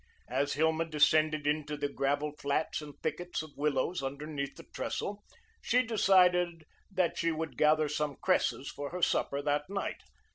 As Hilma descended into the gravel flats and thickets of willows underneath the trestle, she decided that she would gather some cresses for her supper that night.